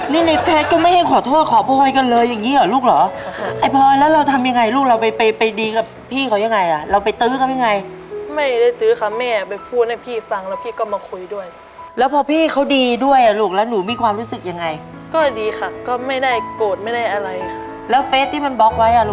นี่ในเฟสก็ไม่ให้ขอโทษขอโพธิกันเลยอย่างนี้เหรอลูกเหรอ